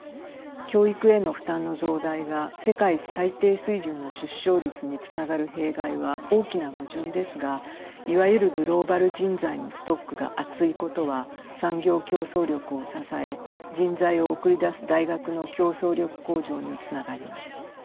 教育への負担の増大が世界最低水準の出生率につながる弊害は大きな矛盾ですがいわゆるグローバル人材のストックが厚いことは産業競争力を支え人材を送り出す大学の競争力向上につながります。